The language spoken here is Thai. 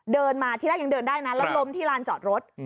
เดินมาที่แรกยังเดินได้นะแล้วล้มที่ลานจอดรถ